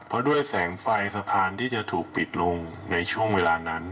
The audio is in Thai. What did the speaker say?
เพราะด้วยแสงไฟสะพานที่จะถูกปิดลงในช่วงเวลานั้น